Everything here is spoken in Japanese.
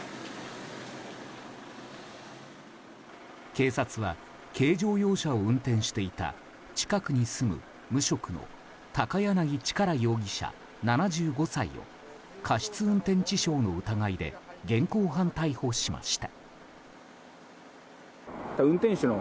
警察は軽乗用車を運転していた近くに住む無職の高柳力容疑者、７５歳を過失運転致傷の疑いで現行犯逮捕しました。